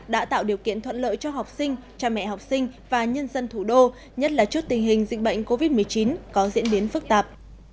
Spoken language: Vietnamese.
đã tạo điều kiện thuận lợi cho học sinh cha mẹ học sinh và nhân dân thủ đô nhất là trước tình hình dịch bệnh covid một mươi chín có diễn biến phức tạp